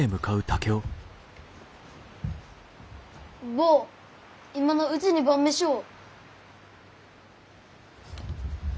坊今のうちに晩飯を。